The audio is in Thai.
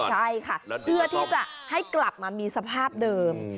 ใช่ค่ะเพื่อที่จะให้กลับมามีสภาพเดิม